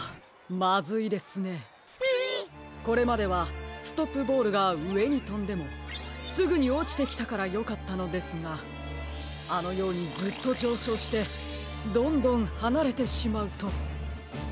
これまではストップボールがうえにとんでもすぐにおちてきたからよかったのですがあのようにずっとじょうしょうしてどんどんはなれてしまうと。